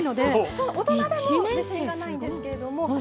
そう、大人でも自信がないんですけれども。